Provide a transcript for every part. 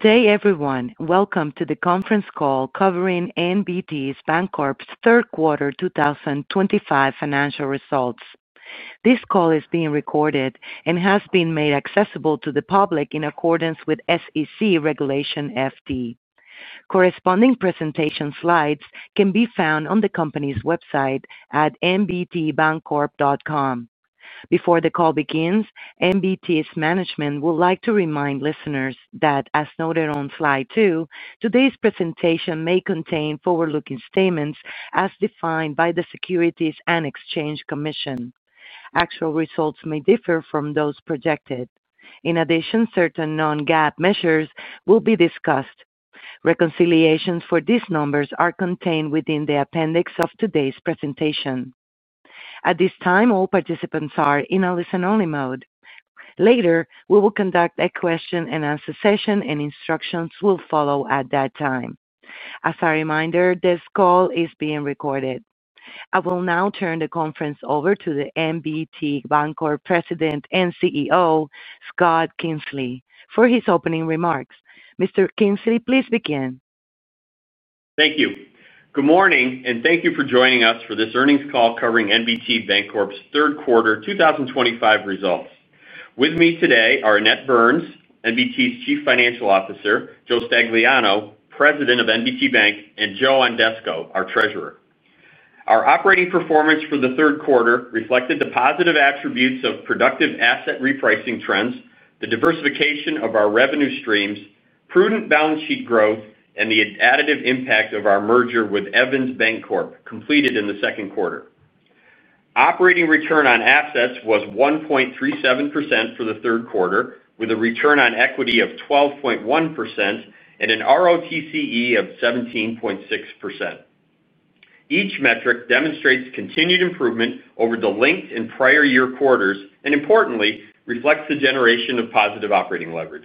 Today, everyone, welcome to the conference call covering NBT Bancorp's third quarter 2025 financial results. This call is being recorded and has been made accessible to the public in accordance with SEC Regulation FD. Corresponding presentation slides can be found on the company's website at nbtbancorp.com. Before the call begins, NBT Bancorp's management would like to remind listeners that, as noted on slide two, today's presentation may contain forward-looking statements as defined by the Securities and Exchange Commission. Actual results may differ from those projected. In addition, certain non-GAAP measures will be discussed. Reconciliations for these numbers are contained within the appendix of today's presentation. At this time, all participants are in a listen-only mode. Later, we will conduct a question and answer session, and instructions will follow at that time. As a reminder, this call is being recorded. I will now turn the conference over to the NBT Bancorp President and CEO, Scott Kingsley, for his opening remarks. Mr. Kingsley, please begin. Thank you. Good morning, and thank you for joining us for this earnings call covering NBT Bancorp's third quarter 2025 results. With me today are Annette Burns, NBT's Chief Financial Officer, Joe Stagliano, President of NBT Bank, and Joe Ondesko, our Treasurer. Our operating performance for the third quarter reflected the positive attributes of productive asset repricing trends, the diversification of our revenue streams, prudent balance sheet growth, and the additive impact of our merger with Evans Bancorp completed in the second quarter. Operating return on assets was 1.37% for the third quarter, with a return on equity of 12.1% and an ROTCE of 17.6%. Each metric demonstrates continued improvement over the linked and prior year quarters and, importantly, reflects the generation of positive operating leverage.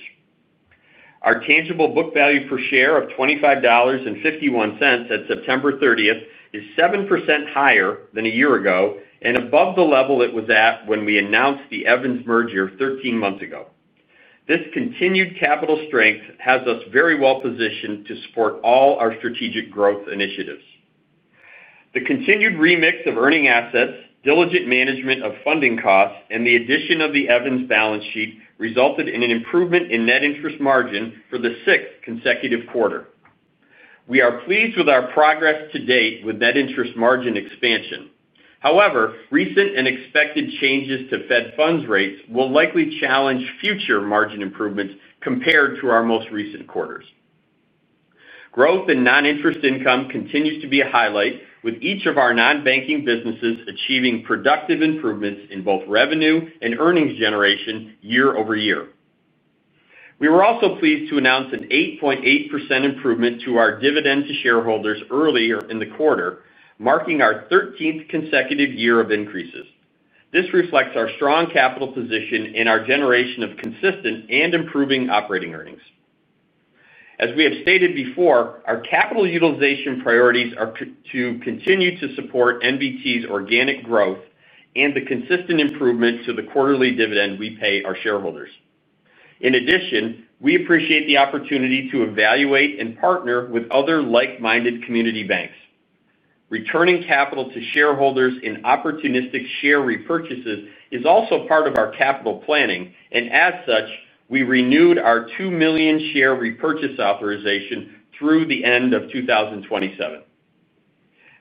Our tangible book value per share of $25.51 at September 30th is 7% higher than a year ago and above the level it was at when we announced the Evans merger 13 months ago. This continued capital strength has us very well positioned to support all our strategic growth initiatives. The continued remix of earning assets, diligent management of funding costs, and the addition of the Evans balance sheet resulted in an improvement in net interest margin for the sixth consecutive quarter. We are pleased with our progress to date with net interest margin expansion. However, recent and expected changes to Fed funds rates will likely challenge future margin improvements compared to our most recent quarters. Growth in non-interest income continues to be a highlight, with each of our non-banking businesses achieving productive improvements in both revenue and earnings generation year-over-year. We were also pleased to announce an 8.8% improvement to our dividend to shareholders earlier in the quarter, marking our 13th consecutive year of increases. This reflects our strong capital position and our generation of consistent and improving operating earnings. As we have stated before, our capital utilization priorities are to continue to support NBT's organic growth and the consistent improvement to the quarterly dividend we pay our shareholders. In addition, we appreciate the opportunity to evaluate and partner with other like-minded community banks. Returning capital to shareholders in opportunistic share repurchases is also part of our capital planning, and as such, we renewed our 2 million share repurchase authorization through the end of 2027.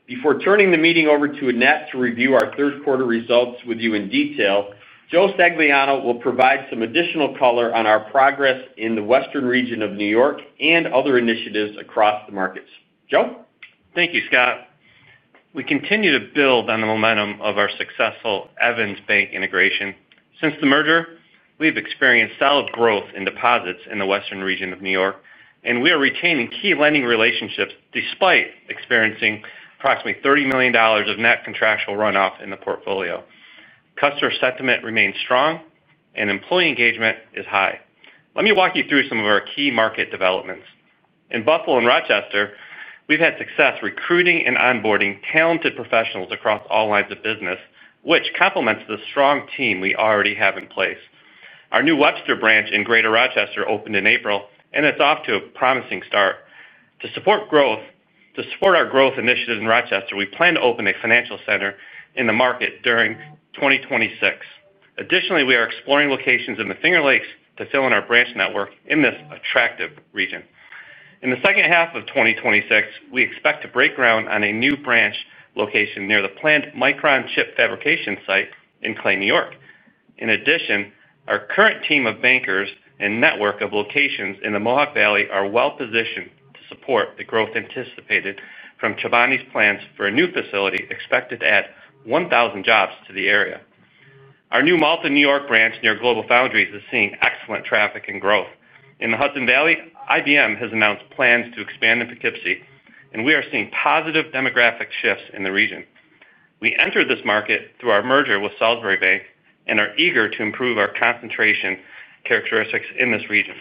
Before turning the meeting over to Annette to review our third quarter results with you in detail, Joe Stagliano will provide some additional color on our progress in the Western region of New York and other initiatives across the markets. Joe? Thank you, Scott. We continue to build on the momentum of our successful Evans Bancorp integration. Since the merger, we've experienced solid growth in deposits in the Western region of New York, and we are retaining key lending relationships despite experiencing approximately $30 million of net contractual runoff in the portfolio. Customer sentiment remains strong, and employee engagement is high. Let me walk you through some of our key market developments. In Buffalo and Rochester, we've had success recruiting and onboarding talented professionals across all lines of business, which complements the strong team we already have in place. Our new Webster branch in Greater Rochester opened in April, and it's off to a promising start. To support growth, to support our growth initiative in Rochester, we plan to open a financial center in the market during 2026. Additionally, we are exploring locations in the Finger Lakes to fill in our branch network in this attractive region. In the second half of 2026, we expect to break ground on a new branch location near the planned Micron chip fabrication site in Clay, New York. In addition, our current team of bankers and network of locations in the Mohawk Valley are well positioned to support the growth anticipated from Chobani's plans for a new facility expected to add 1,000 jobs to the area. Our new Malta, New York branch near GlobalFoundries is seeing excellent traffic and growth. In the Hudson Valley, IBM has announced plans to expand into Poughkeepsie, and we are seeing positive demographic shifts in the region. We entered this market through our merger with Salisbury Bank and are eager to improve our concentration characteristics in this region.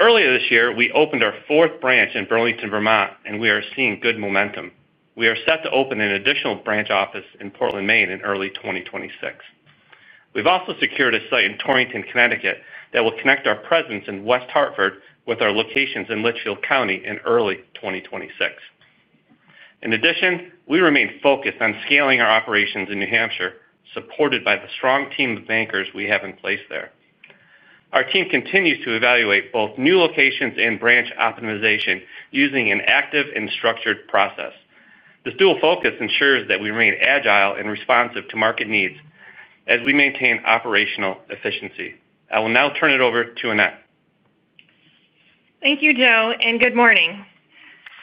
Earlier this year, we opened our fourth branch in Burlington, Vermont, and we are seeing good momentum. We are set to open an additional branch office in Portland, Maine, in early 2026. We've also secured a site in Torrington, Connecticut, that will connect our presence in West Hartford with our locations in Litchfield County in early 2026. In addition, we remain focused on scaling our operations in New Hampshire, supported by the strong team of bankers we have in place there. Our team continues to evaluate both new locations and branch optimization using an active and structured process. This dual focus ensures that we remain agile and responsive to market needs as we maintain operational efficiency. I will now turn it over to Annette. Thank you, Joe, and good morning.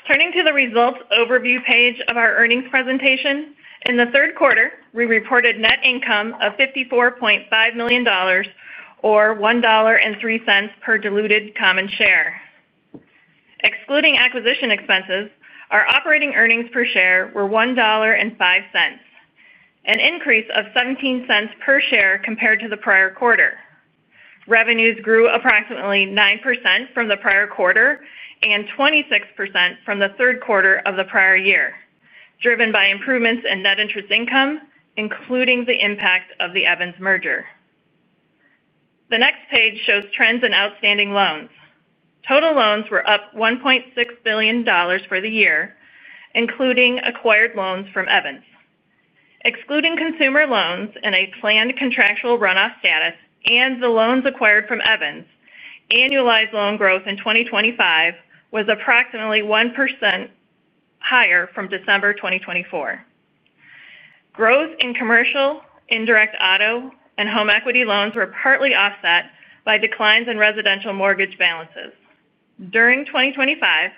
Turning to the results overview page of our earnings presentation, in the third quarter, we reported net income of $54.5 million, or $1.03 per diluted common share. Excluding acquisition expenses, our operating earnings per share were $1.05, an increase of $0.17 per share compared to the prior quarter. Revenues grew approximately 9% from the prior quarter and 26% from the third quarter of the prior year, driven by improvements in net interest income, including the impact of the Evans Bancorp merger. The next page shows trends in outstanding loans. Total loans were up $1.6 billion for the year, including acquired loans from Evans Bancorp. Excluding consumer loans in a planned contractual runoff status and the loans acquired from Evans Bancorp, annualized loan growth in 2025 was approximately 1% higher from December 2024. Growth in commercial, indirect auto, and home equity loans were partly offset by declines in residential mortgage balances. During 2025,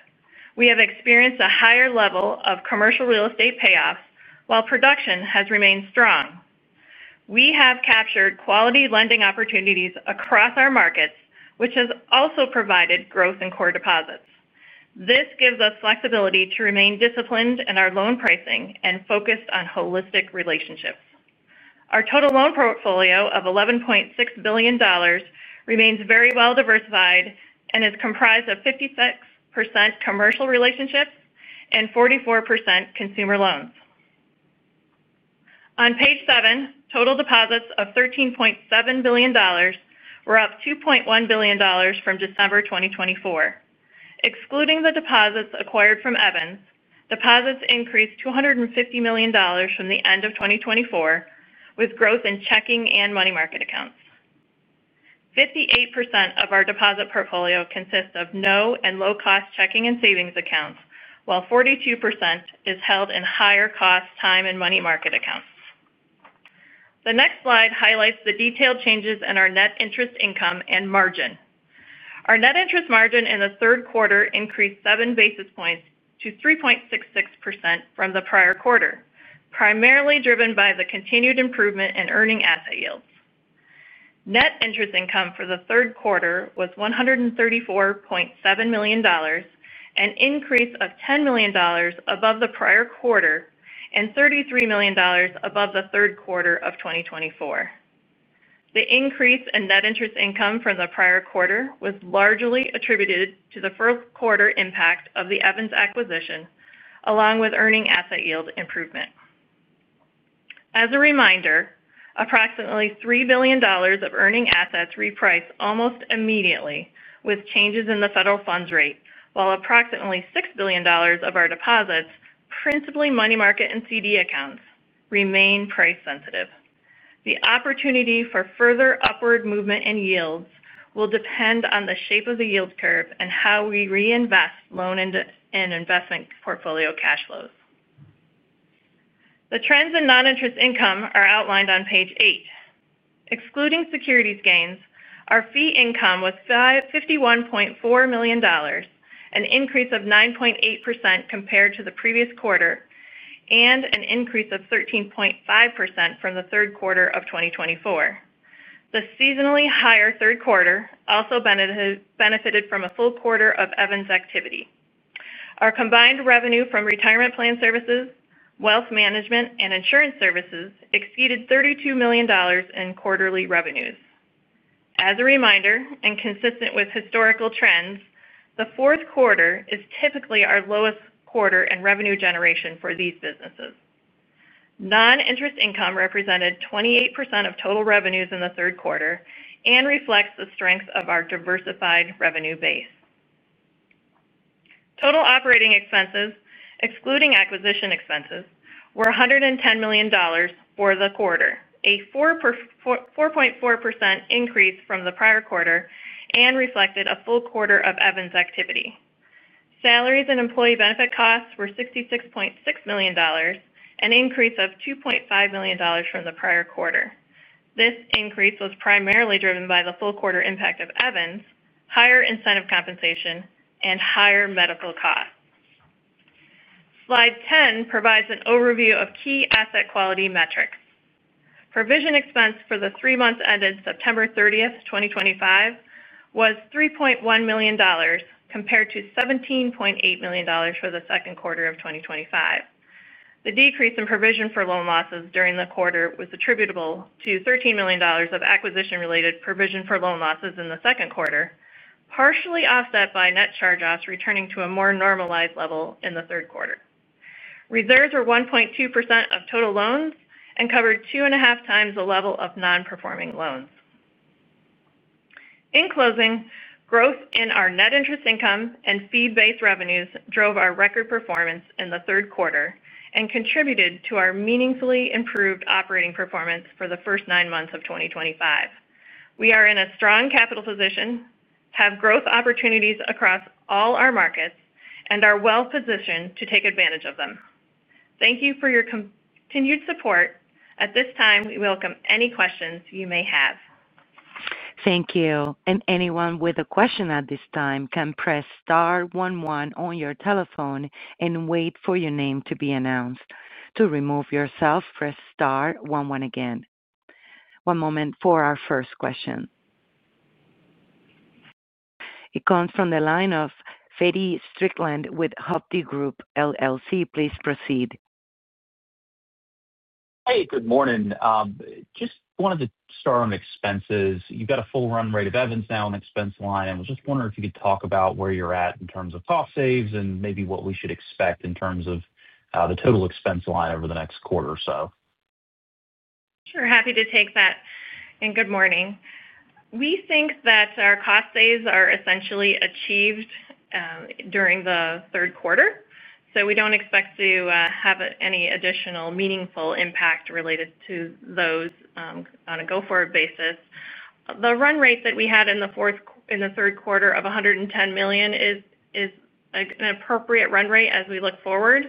we have experienced a higher level of commercial real estate payoffs, while production has remained strong. We have captured quality lending opportunities across our markets, which has also provided growth in core deposits. This gives us flexibility to remain disciplined in our loan pricing and focused on holistic relationships. Our total loan portfolio of $11.6 billion remains very well diversified and is comprised of 56% commercial relationships and 44% consumer loans. On page seven, total deposits of $13.7 billion were up $2.1 billion from December 2024. Excluding the deposits acquired from Evans Bancorp, deposits increased $250 million from the end of 2024, with growth in checking and money market accounts. 58% of our deposit portfolio consists of no and low-cost checking and savings accounts, while 42% is held in higher-cost time and money market accounts. The next slide highlights the detailed changes in our net interest income and margin. Our net interest margin in the third quarter increased seven basis points to 3.66% from the prior quarter, primarily driven by the continued improvement in earning asset yields. Net interest income for the third quarter was $134.7 million, an increase of $10 million above the prior quarter and $33 million above the third quarter of 2024. The increase in net interest income from the prior quarter was largely attributed to the first quarter impact of the Evans Bancorp acquisition, along with earning asset yield improvement. As a reminder, approximately $3 billion of earning assets repriced almost immediately with changes in the federal funds rate, while approximately $6 billion of our deposits, principally money market and CD accounts, remain price sensitive. The opportunity for further upward movement in yields will depend on the shape of the yield curve and how we reinvest loan and investment portfolio cash flows. The trends in non-interest income are outlined on page eight. Excluding securities gains, our fee income was $51.4 million, an increase of 9.8% compared to the previous quarter, and an increase of 13.5% from the third quarter of 2024. The seasonally higher third quarter also benefited from a full quarter of Evans activity. Our combined revenue from retirement plan services, wealth management, and insurance services exceeded $32 million in quarterly revenues. As a reminder, and consistent with historical trends, the fourth quarter is typically our lowest quarter in revenue generation for these businesses. Non-interest income represented 28% of total revenues in the third quarter and reflects the strength of our diversified revenue base. Total operating expenses, excluding acquisition expenses, were $110 million for the quarter, a 4.4% increase from the prior quarter and reflected a full quarter of Evans activity. Salaries and employee benefit costs were $66.6 million, an increase of $2.5 million from the prior quarter. This increase was primarily driven by the full quarter impact of Evans, higher incentive compensation, and higher medical costs. Slide 10 provides an overview of key asset quality metrics. Provision expense for the three months ended September 30th, 2025, was $3.1 million compared to $17.8 million for the second quarter of 2025. The decrease in provision for loan losses during the quarter was attributable to $13 million of acquisition-related provision for loan losses in the second quarter, partially offset by net charge-offs returning to a more normalized level in the third quarter. Reserves were 1.2% of total loans and covered two and a half times the level of non-performing loans. In closing, growth in our net interest income and fee-based revenues drove our record performance in the third quarter and contributed to our meaningfully improved operating performance for the first nine months of 2025. We are in a strong capital position, have growth opportunities across all our markets, and are well positioned to take advantage of them. Thank you for your continued support. At this time, we welcome any questions you may have. Thank you. Anyone with a question at this time can press star one one on your telephone and wait for your name to be announced. To remove yourself, press star one one again. One moment for our first question. It comes from the line of Feddie Strickland with Hovde Group LLC. Please proceed. Hey, good morning. Just wanted to start on expenses. You've got a full run rate of Evans now on the expense line, and I was just wondering if you could talk about where you're at in terms of cost saves and maybe what we should expect in terms of the total expense line over the next quarter or so. Sure, happy to take that. Good morning. We think that our cost saves are essentially achieved during the third quarter, so we don't expect to have any additional meaningful impact related to those on a go-forward basis. The run rate that we had in the third quarter of $110 million is an appropriate run rate as we look forward.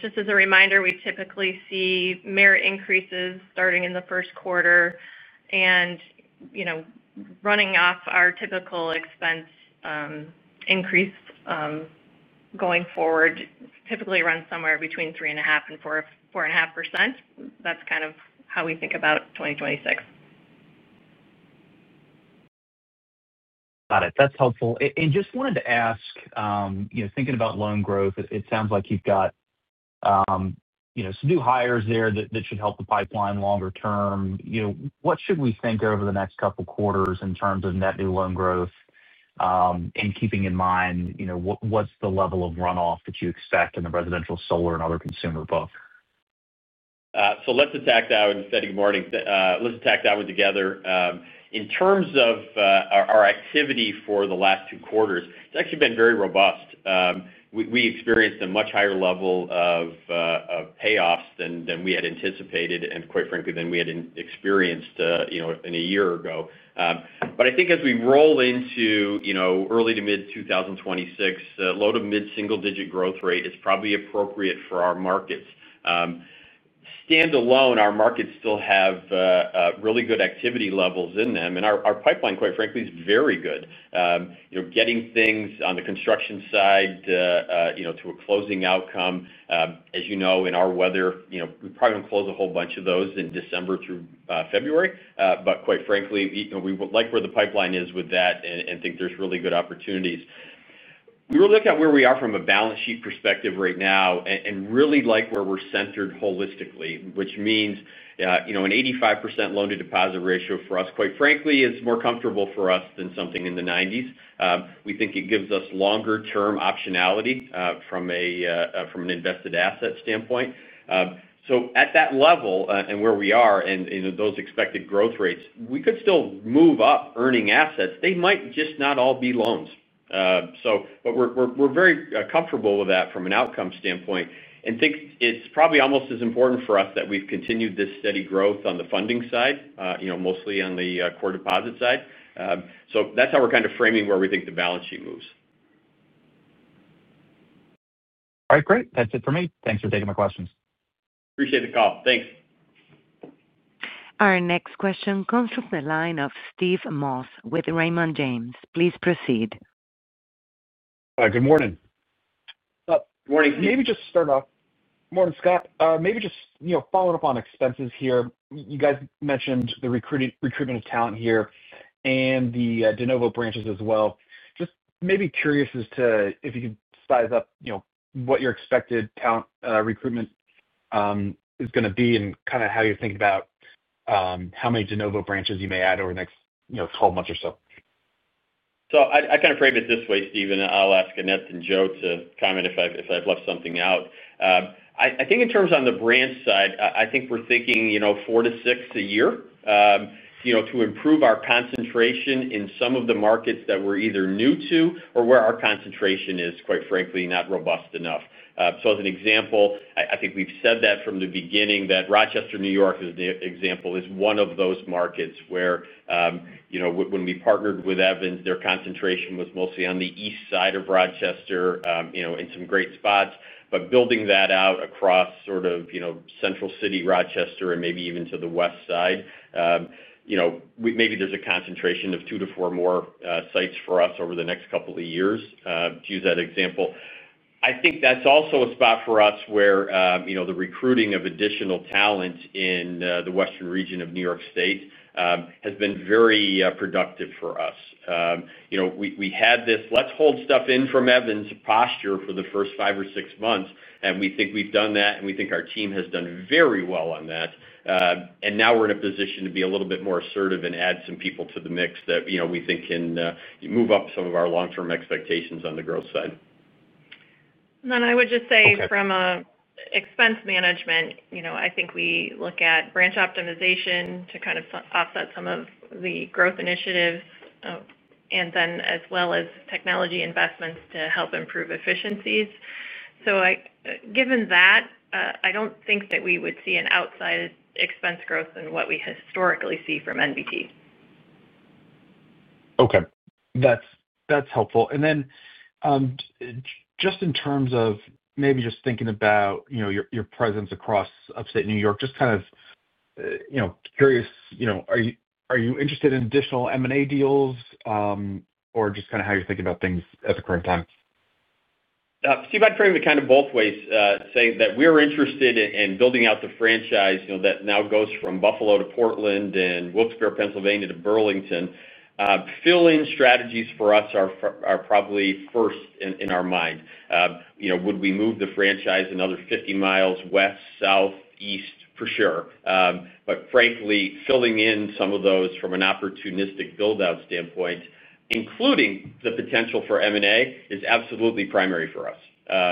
Just as a reminder, we typically see merit increases starting in the first quarter, and our typical expense increase going forward typically runs somewhere between 3.5% and 4.5%. That's kind of how we think about 2026. Got it. That's helpful. I just wanted to ask, you know, thinking about loan growth, it sounds like you've got, you know, some new hires there that should help the pipeline longer term. What should we think over the next couple of quarters in terms of net new loan growth, and keeping in mind, you know, what's the level of runoff that you expect in the residential, solar, and other consumer book? Let's attack that one and say good morning. Let's attack that one together. In terms of our activity for the last two quarters, it's actually been very robust. We experienced a much higher level of payoffs than we had anticipated and, quite frankly, than we had experienced a year ago. I think as we roll into early to mid-2026, low to mid-single-digit growth rate is probably appropriate for our markets. Standalone, our markets still have really good activity levels in them, and our pipeline, quite frankly, is very good. Getting things on the construction side to a closing outcome, as you know, in our weather, we probably don't close a whole bunch of those in December through February. Quite frankly, we like where the pipeline is with that and think there's really good opportunities. We were looking at where we are from a balance sheet perspective right now and really like where we're centered holistically, which means an 85% loan-to-deposit ratio for us, quite frankly, is more comfortable for us than something in the 90s. We think it gives us longer-term optionality from an invested asset standpoint. At that level and where we are and those expected growth rates, we could still move up earning assets. They might just not all be loans. We're very comfortable with that from an outcome standpoint and think it's probably almost as important for us that we've continued this steady growth on the funding side, mostly on the core deposit side. That's how we're kind of framing where we think the balance sheet moves. All right, great. That's it for me. Thanks for taking my questions. Appreciate the call. Thanks. Our next question comes from the line of Steve Moss with Raymond James. Please proceed. Good morning. Morning. Maybe just to start off, good morning, Scott. Maybe just, you know, following up on expenses here. You guys mentioned the recruitment of talent here and the de novo branches as well. Just maybe curious as to if you could size up, you know, what your expected talent recruitment is going to be and kind of how you think about how many de novo branches you may add over the next, you know, 12 months or so. I kind of frame it this way, Steve, and I'll ask Annette and Joe to comment if I've left something out. I think in terms on the branch side, I think we're thinking, you know, four to six a year, you know, to improve our concentration in some of the markets that we're either new to or where our concentration is, quite frankly, not robust enough. As an example, I think we've said that from the beginning that Rochester, New York, as an example, is one of those markets where, you know, when we partnered with Evans Bancorp, their concentration was mostly on the east side of Rochester, you know, in some great spots. Building that out across sort of, you know, central city Rochester and maybe even to the west side, you know, maybe there's a concentration of two to four more sites for us over the next couple of years, to use that example. I think that's also a spot for us where, you know, the recruiting of additional talent in the western region of New York State has been very productive for us. You know, we had this "let's hold stuff in from Evans" posture for the first five or six months, and we think we've done that, and we think our team has done very well on that. Now we're in a position to be a little bit more assertive and add some people to the mix that, you know, we think can move up some of our long-term expectations on the growth side. I would just say from an expense management, I think we look at branch optimization to kind of offset some of the growth initiatives, as well as technology investments to help improve efficiencies. Given that, I don't think that we would see an outside expense growth in what we historically see from NBT Bancorp. Okay. That's helpful. Just in terms of maybe just thinking about your presence across Upstate New York, just kind of curious, are you interested in additional M&A deals or just kind of how you're thinking about things at the current time? You might frame it kind of both ways, saying that we're interested in building out the franchise that now goes from Buffalo to Portland and Wilkes-Barre, Pennsylvania to Burlington. Fill-in strategies for us are probably first in our mind. Would we move the franchise another 50 miles west, south, east? For sure. Frankly, filling in some of those from an opportunistic build-out standpoint, including the potential for M&A, is absolutely primary for us. We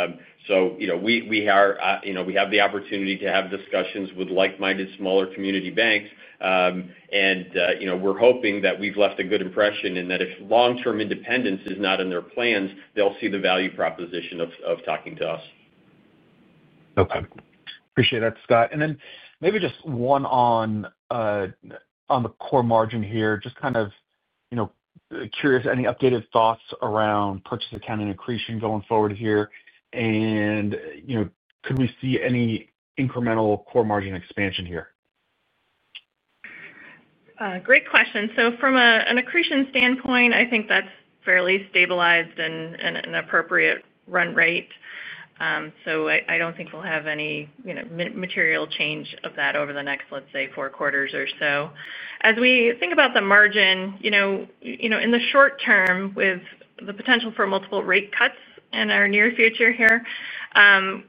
have the opportunity to have discussions with like-minded smaller community banks, and we're hoping that we've left a good impression and that if long-term independence is not in their plans, they'll see the value proposition of talking to us. Okay. Appreciate that, Scott. Maybe just one on the core margin here. Just kind of, you know, curious, any updated thoughts around purchase accounting accretion going forward here? You know, could we see any incremental core margin expansion here? Great question. From an accretion standpoint, I think that's fairly stabilized and an appropriate run rate. I don't think we'll have any material change of that over the next, let's say, four quarters or so. As we think about the margin, in the short term with the potential for multiple rate cuts in our near future here,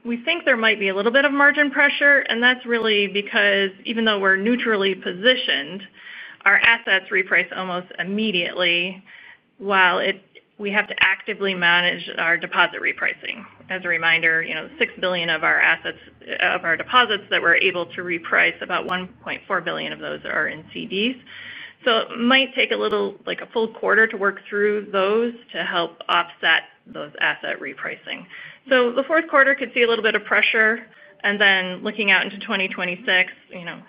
we think there might be a little bit of margin pressure, and that's really because even though we're neutrally positioned, our assets reprice almost immediately while we have to actively manage our deposit repricing. As a reminder, $6 billion of our deposits that we're able to reprice, about $1.4 billion of those are in CDs. It might take a little, like a full quarter to work through those to help offset those asset repricing. The fourth quarter could see a little bit of pressure. Looking out into 2026,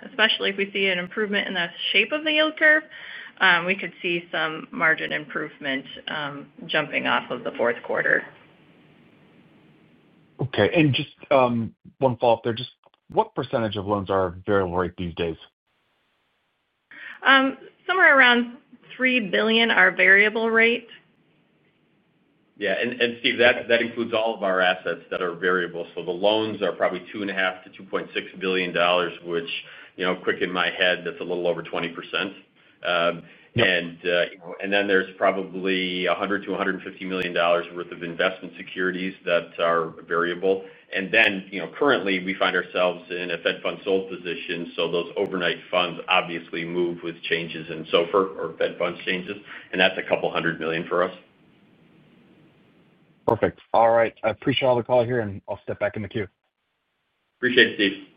especially if we see an improvement in the shape of the yield curve, we could see some margin improvement jumping off of the fourth quarter. Okay. Just one follow-up there, what percentage of loans are variable rate these days? Somewhere around $3 billion are variable rate. Yeah. Steve, that includes all of our assets that are variable. The loans are probably $2.5-$2.6 billion, which, quick in my head, that's a little over 20%. There's probably $100-$150 million worth of investment securities that are variable. Currently, we find ourselves in a Fed funds sold position. Those overnight funds obviously move with changes and so forth or Fed funds changes. That's a couple hundred million for us. Perfect. All right. I appreciate all the call here, and I'll step back in the queue. Appreciate it, Steve.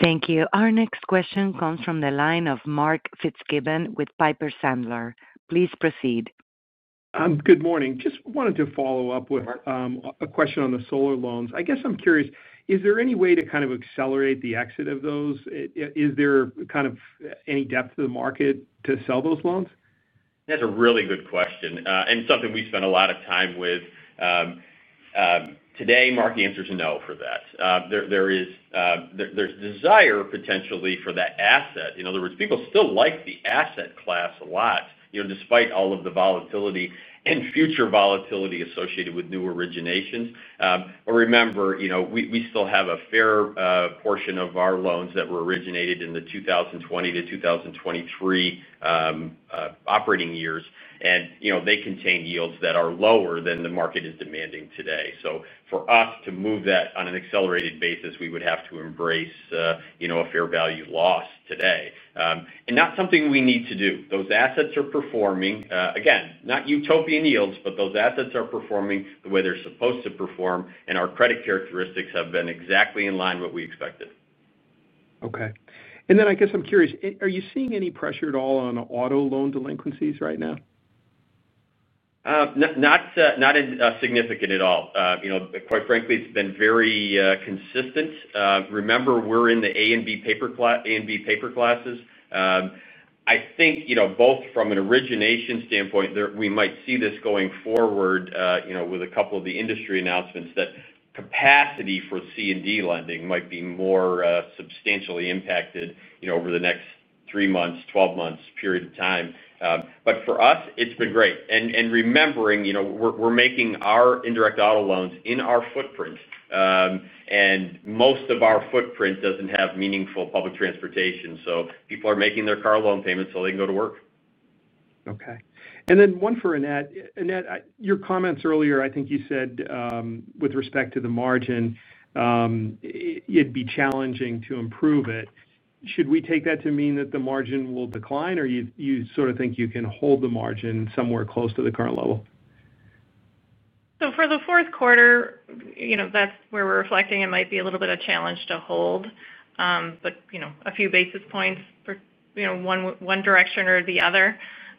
Thank you. Our next question comes from the line of Mark Fitzgibbon with Piper Sandler. Please proceed. Good morning. Just wanted to follow up with a question on the solar loans. I guess I'm curious, is there any way to kind of accelerate the exit of those? Is there kind of any depth to the market to sell those loans? That's a really good question and something we spent a lot of time with. Today, Mark answers no for that. There's desire potentially for that asset. In other words, people still like the asset class a lot, despite all of the volatility and future volatility associated with new originations. Remember, we still have a fair portion of our loans that were originated in the 2020-2023 operating years, and they contain yields that are lower than the market is demanding today. For us to move that on an accelerated basis, we would have to embrace a fair value loss today. Not something we need to do. Those assets are performing, again, not utopian yields, but those assets are performing the way they're supposed to perform, and our credit characteristics have been exactly in line with what we expected. Okay. I guess I'm curious, are you seeing any pressure at all on auto loan delinquencies right now? Not significant at all. Quite frankly, it's been very consistent. Remember, we're in the A and B paper classes. I think both from an origination standpoint, we might see this going forward with a couple of the industry announcements that capacity for C and D lending might be more substantially impacted over the next 3 months, 12 months period of time. For us, it's been great. Remembering, we're making our indirect auto loans in our footprint, and most of our footprint doesn't have meaningful public transportation. People are making their car loan payments so they can go to work. Okay. One for Annette. Annette, your comments earlier, I think you said with respect to the margin, it'd be challenging to improve it. Should we take that to mean that the margin will decline, or do you sort of think you can hold the margin somewhere close to the current level? For the fourth quarter, that's where we're reflecting it might be a little bit of a challenge to hold, but a few basis points for one direction or the other.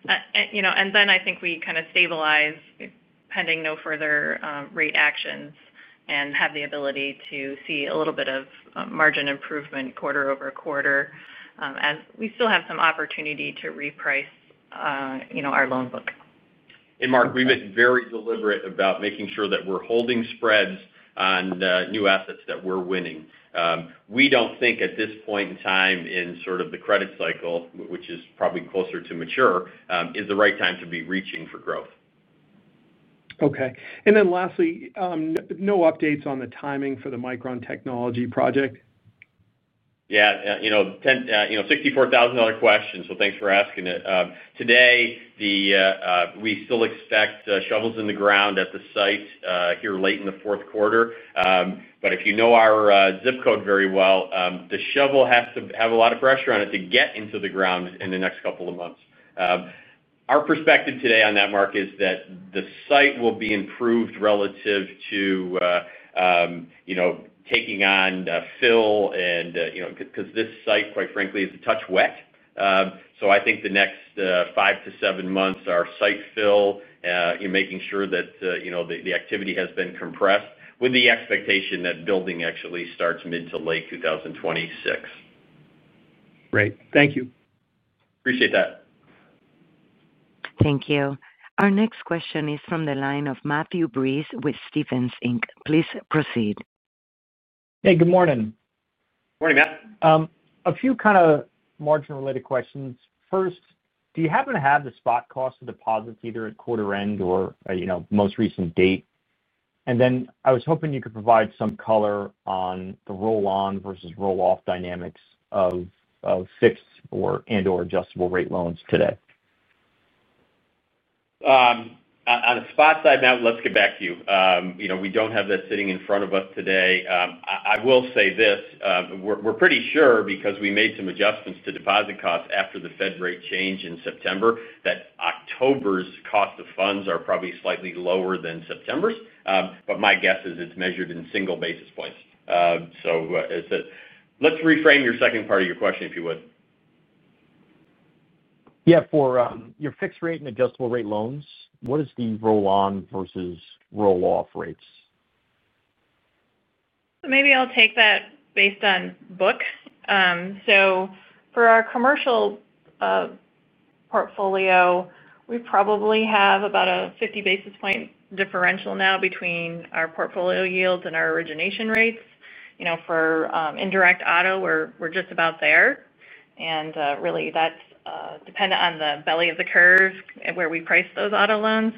I think we kind of stabilize pending no further rate actions and have the ability to see a little bit of margin improvement quarter-over-quarter as we still have some opportunity to reprice our loan book. Mark, we've been very deliberate about making sure that we're holding spreads on new assets that we're winning. We don't think at this point in time in sort of the credit cycle, which is probably closer to mature, is the right time to be reaching for growth. Okay. Lastly, no updates on the timing for the Micron project? Yeah. You know, $64,000 question, so thanks for asking it. Today, we still expect shovels in the ground at the site here late in the fourth quarter. If you know our zip code very well, the shovel has to have a lot of pressure on it to get into the ground in the next couple of months. Our perspective today on that, Mark, is that the site will be improved relative to taking on fill, and because this site, quite frankly, is a touch wet. I think the next five to seven months are site fill, making sure that the activity has been compressed with the expectation that building actually starts mid to late 2026. Great, thank you. Appreciate that. Thank you. Our next question is from the line of Matthew Breese with Stephens, Inc. Please proceed. Hey, good morning. Morning, Matt. A few kind of margin-related questions. First, do you happen to have the spot cost of deposits either at quarter end or, you know, most recent date? I was hoping you could provide some color on the roll-on versus roll-off dynamics of fixed and/or adjustable rate loans today. On the spot side now, let's get back to you. You know, we don't have that sitting in front of us today. I will say this. We're pretty sure because we made some adjustments to deposit costs after the Fed rate change in September that October's cost of funds are probably slightly lower than September's. My guess is it's measured in single basis points. Let's reframe your second part of your question if you would. Yeah. For your fixed rate and adjustable rate loans, what is the roll-on versus roll-off rates? I'll take that based on book. For our commercial portfolio, we probably have about a 50 basis points differential now between our portfolio yields and our origination rates. For indirect auto, we're just about there, and that's dependent on the belly of the curve where we price those auto loans.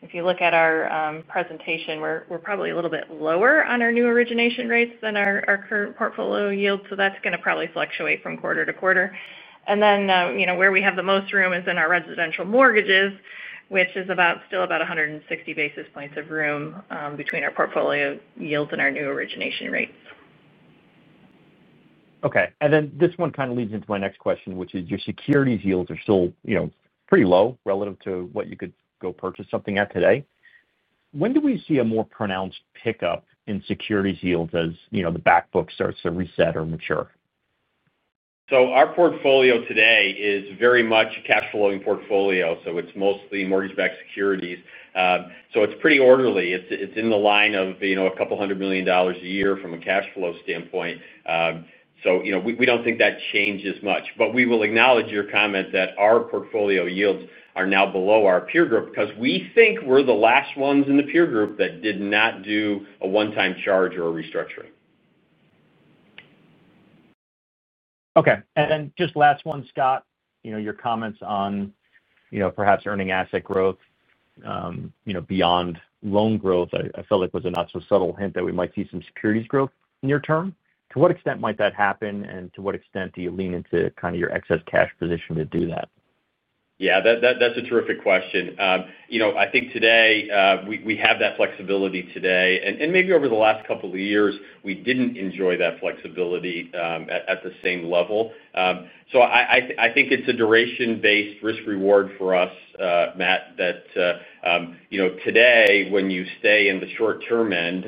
If you look at our presentation, we're probably a little bit lower on our new origination rates than our current portfolio yields. That's going to probably fluctuate from quarter to quarter. Where we have the most room is in our residential mortgages, which is still about 160 bps of room between our portfolio yields and our new origination rates. Okay. This one kind of leads into my next question, which is your securities yields are still, you know, pretty low relative to what you could go purchase something at today. When do we see a more pronounced pickup in securities yields as, you know, the back book starts to reset or mature? Our portfolio today is very much a cash-flowing portfolio. It's mostly mortgage-backed securities, so it's pretty orderly. It's in the line of a couple hundred million dollars a year from a cash flow standpoint. We don't think that changes much. We will acknowledge your comment that our portfolio yields are now below our peer group because we think we're the last ones in the peer group that did not do a one-time charge or a restructuring. Okay. Just last one, Scott, your comments on perhaps earning asset growth, you know, beyond loan growth, I felt like was a not-so-subtle hint that we might see some securities growth near term. To what extent might that happen and to what extent do you lean into kind of your excess cash position to do that? Yeah, that's a terrific question. I think today we have that flexibility. Maybe over the last couple of years, we didn't enjoy that flexibility at the same level. I think it's a duration-based risk-reward for us, Matt. Today, when you stay in the short-term end,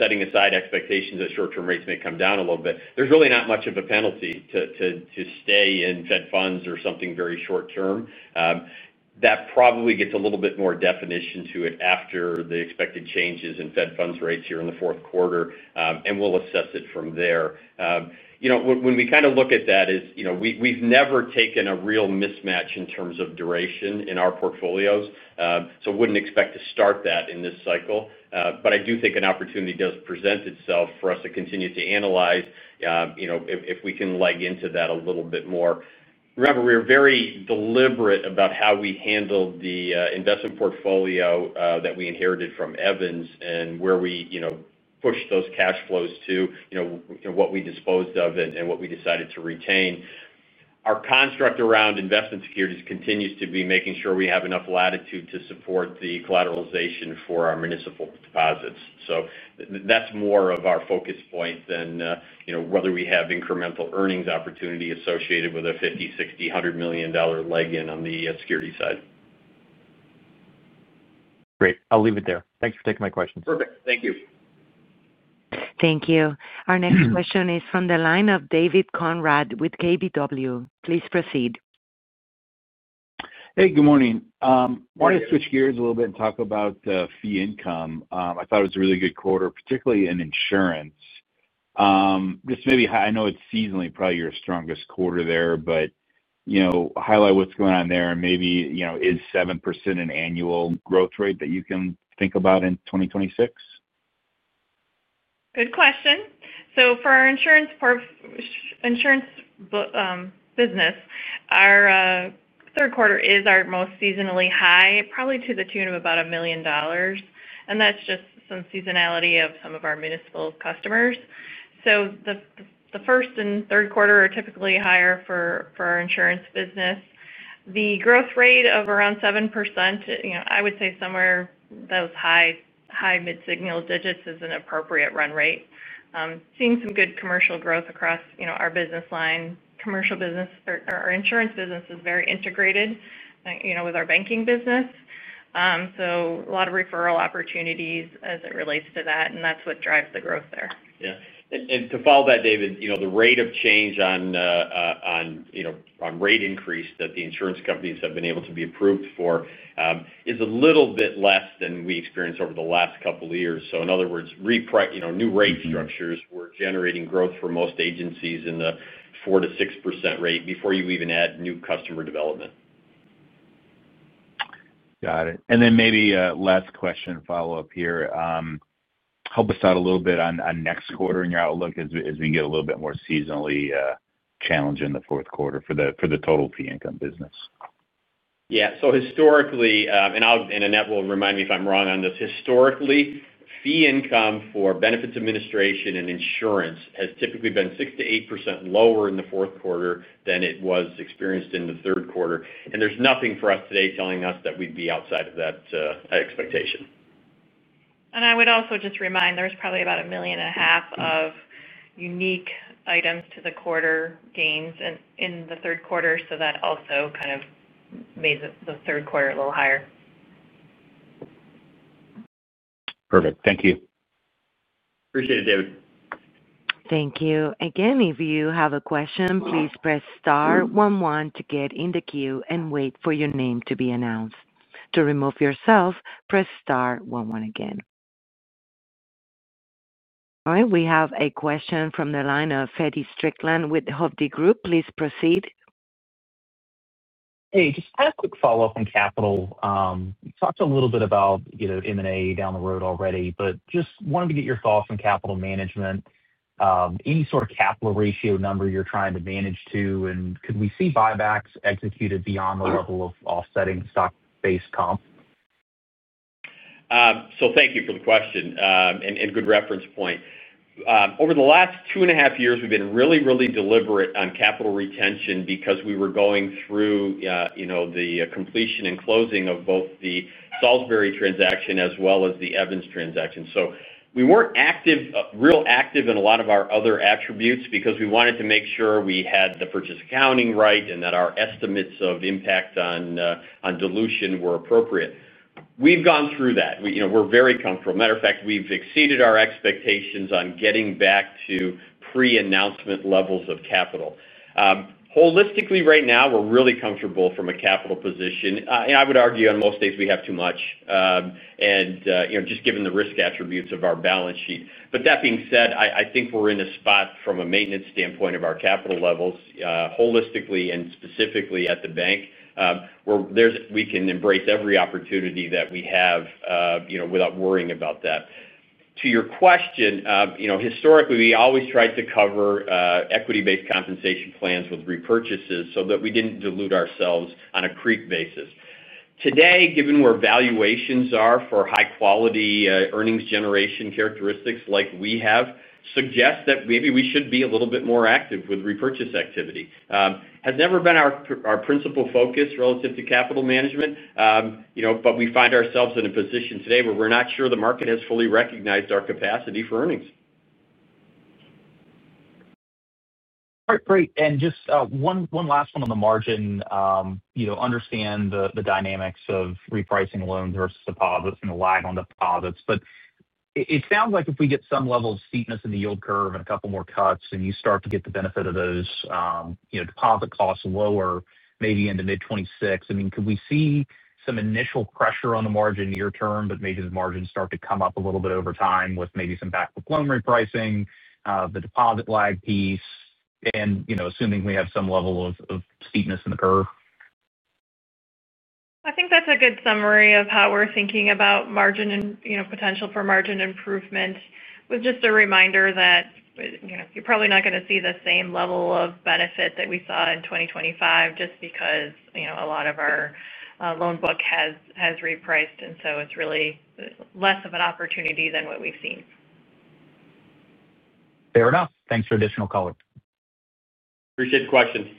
setting aside expectations that short-term rates may come down a little bit, there's really not much of a penalty to stay in Fed funds or something very short-term. That probably gets a little bit more definition to it after the expected changes in Fed funds rates here in the fourth quarter, and we'll assess it from there. When we look at that, we've never taken a real mismatch in terms of duration in our portfolios. I wouldn't expect to start that in this cycle. I do think an opportunity does present itself for us to continue to analyze if we can leg into that a little bit more. Remember, we were very deliberate about how we handled the investment portfolio that we inherited from Evans Bancorp and where we pushed those cash flows to, what we disposed of, and what we decided to retain. Our construct around investment securities continues to be making sure we have enough latitude to support the collateralization for our municipal deposits. That's more of our focus point than whether we have incremental earnings opportunity associated with a $50 million, $60 million, $100 million leg in on the security side. Great. I'll leave it there. Thanks for taking my questions. Perfect. Thank you. Thank you. Our next question is from the line of David Conrad with KBW. Please proceed. Hey, good morning. I want to switch gears a little bit and talk about the fee income. I thought it was a really good quarter, particularly in insurance. I know it's seasonally probably your strongest quarter there, but highlight what's going on there and maybe, is 7% an annual growth rate that you can think about in 2026? Good question. For our insurance business, our third quarter is our most seasonally high, probably to the tune of about $1 million. That's just some seasonality of some of our municipal customers. The first and third quarter are typically higher for our insurance business. The growth rate of around 7%, I would say somewhere those high, high mid-single digits is an appropriate run rate. Seeing some good commercial growth across our business line. Our insurance business is very integrated with our banking business. A lot of referral opportunities as it relates to that, and that's what drives the growth there. To follow that, David, the rate of change on rate increase that the insurance companies have been able to be approved for is a little bit less than we experienced over the last couple of years. In other words, new rate structures were generating growth for most agencies in the 4%-6% rate before you even add new customer development. Got it. Maybe a last question follow-up here. Help us out a little bit on next quarter and your outlook as we can get a little bit more seasonally challenged in the fourth quarter for the total fee income business. Yeah. Historically, and Annette Burns will remind me if I'm wrong on this, historically, fee income for benefits administration and insurance has typically been 6%-8% lower in the fourth quarter than it was experienced in the third quarter. There's nothing for us today telling us that we'd be outside of that expectation. I would also just remind there's probably about $1.5 million of unique items to the quarter gains in the third quarter, so that also kind of made the third quarter a little higher. Perfect. Thank you. Appreciate it, David. Thank you. Again, if you have a question, please press star one one to get in the queue and wait for your name to be announced. To remove yourself, press star one one again. All right. We have a question from the line of Feddie Strickland with Hovde Group. Please proceed. Hey, just kind of a quick follow-up on capital. We talked a little bit about, you know, M&A down the road already, but just wanted to get your thoughts on capital management. Any sort of capital ratio number you're trying to manage to, and could we see buybacks executed beyond the level of offsetting stock-based comp? Thank you for the question and good reference point. Over the last two and a half years, we've been really, really deliberate on capital retention because we were going through the completion and closing of both the Salisbury transaction as well as the Evans transaction. We weren't real active in a lot of our other attributes because we wanted to make sure we had the purchase accounting right and that our estimates of impact on dilution were appropriate. We've gone through that. We're very comfortable. As a matter of fact, we've exceeded our expectations on getting back to pre-announcement levels of capital. Holistically, right now, we're really comfortable from a capital position. I would argue on most states we have too much, just given the risk attributes of our balance sheet. That being said, I think we're in a spot from a maintenance standpoint of our capital levels holistically and specifically at the bank where we can embrace every opportunity that we have without worrying about that. To your question, historically, we always tried to cover equity-based compensation plans with repurchases so that we didn't dilute ourselves on a creek basis. Today, given where valuations are for high-quality earnings generation characteristics like we have, suggests that maybe we should be a little bit more active with repurchase activity. It has never been our principal focus relative to capital management, but we find ourselves in a position today where we're not sure the market has fully recognized our capacity for earnings. All right. Great. Just one last one on the margin. I understand the dynamics of repricing loans versus deposits and relying on deposits. It sounds like if we get some level of steepness in the yield curve and a couple more cuts and you start to get the benefit of those, deposit costs lower, maybe into mid-2026, I mean, could we see some initial pressure on the margin near term, but maybe the margin starts to come up a little bit over time with maybe some back book loan repricing, the deposit lag piece, and assuming we have some level of steepness in the curve? I think that's a good summary of how we're thinking about margin and, you know, potential for margin improvement. Just a reminder that, you know, you're probably not going to see the same level of benefit that we saw in 2025 just because, you know, a lot of our loan book has repriced. It's really less of an opportunity than what we've seen. Fair enough. Thanks for additional color. Appreciate the question.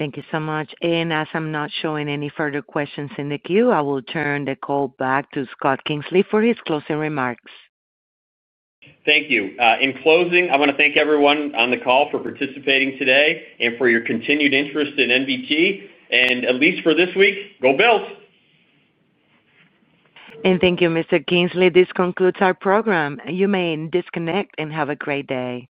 Thank you so much. As I'm not showing any further questions in the queue, I will turn the call back to Scott Kingsley for his closing remarks. Thank you. In closing, I want to thank everyone on the call for participating today and for your continued interest in NBT Bancorp. At least for this week, go Bills. Thank you, Mr. Kingsley. This concludes our program. You may disconnect and have a great day.